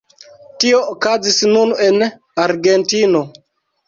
Tio okazis nun en Argentino.